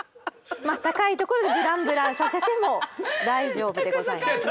まあ高いところでブランブランさせても大丈夫でございます。